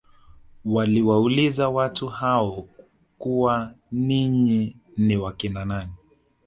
Waliwauliza watu hao kuwa ninyi ni wakina nani